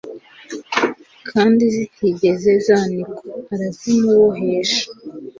kandi zitigeze zanikwa, arazimubohesha